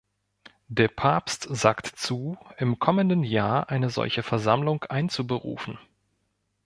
Der Papst sagt zu, im kommenden Jahr eine solche Versammlung einzuberufen.